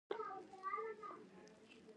او باجوړ هم پاتې شو.